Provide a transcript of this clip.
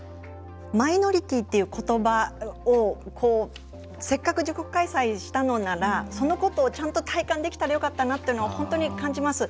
マイノリティーということばをせっかく自国開催したのならそのことをちゃんと体感できたらよかったなというのを感じます。